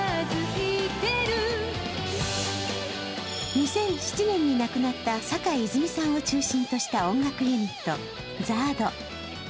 ２００７年に亡くなった坂井泉水さんを中心とした音楽ユニット、ＺＡＲＤ。